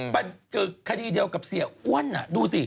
แต่คดีเดียวกับเสียอ้วนอะดูสิ